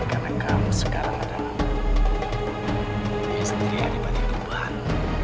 karena kamu sekarang adalah istri adipati tuhan